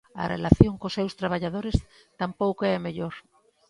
A relación cos seus traballadores tampouco é a mellor.